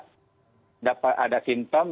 tidak dapat ada simptom